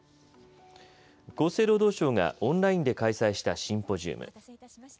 厚生労働省がオンラインで開催したシンポジウム。